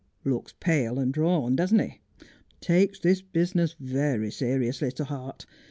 ' Looks pale and drawn, doesn't he 1 Takes this business very seriously to heart.